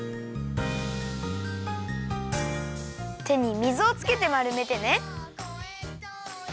てに水をつけてまるめてね。